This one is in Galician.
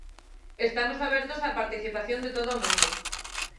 Estamos abertos á participación de todo o mundo.